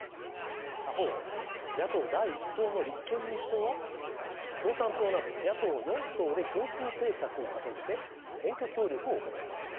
他方野党第１党の立憲民主党は共産党など野党４党で共通政策を掲げて選挙協力を行いました。